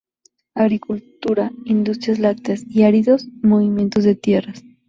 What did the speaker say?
Agricultura, industrias lácteas y de áridos y movimientos de tierras.